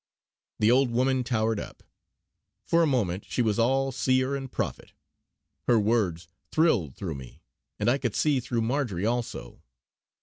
The old woman towered up; for a moment she was all Seer and Prophet. Her words thrilled through me; and I could see through Marjory also.